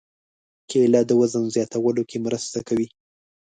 کېله د وزن زیاتولو کې مرسته کوي.